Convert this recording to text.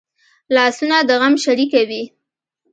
لاسونه د غم شریکه وي